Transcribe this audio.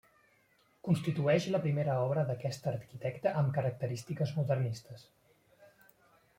Constitueix la primera obra d'aquest arquitecte amb característiques modernistes.